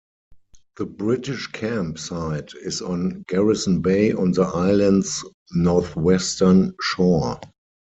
The British Camp site is on Garrison Bay on the islands northwestern shore.